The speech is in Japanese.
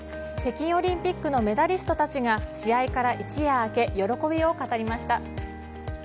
北京オリンピックのメダリストたちが試合から一夜明け喜びを語りました。